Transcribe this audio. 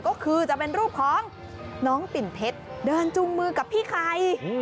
ก็คือจะเป็นรูปของน้องปิ่นเพชรเดินจุงมือกับพี่ไข่